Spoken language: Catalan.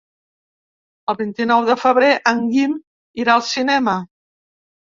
El vint-i-nou de febrer en Guim irà al cinema.